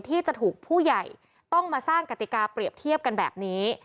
ที่จะถูกผู้ใหญ่ต้องมาสร้างกติกาเปรียบเทียบกันแบบนี้